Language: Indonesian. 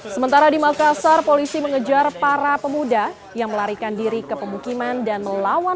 sementara di makassar polisi mengejar para pemuda yang melarikan diri ke pemukiman dan melawan